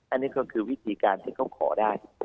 อันนี้ก็คือวิธีการที่เขาขอได้